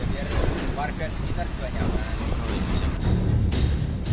jadi warga sekitar juga nyaman